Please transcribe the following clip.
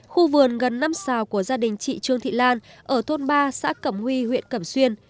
khu vườn gần năm xào của gia đình chị trương thị lan ở thôn ba xã cẩm huy huyện cẩm xuyên